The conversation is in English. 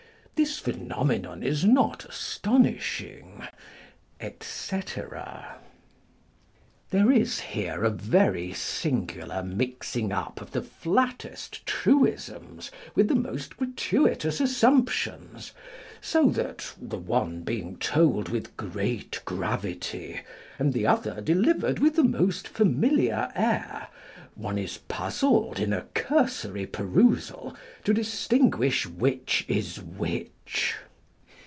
This phenomenon is not astonishing," &cl There is here a very singular mixing up of the flattest truisms with the most gratuitous assumptions ; so that the one being told with great gravity, and the other delivered with the most familiar air, one is puzzled in a cursory perusal to distinguish which is which.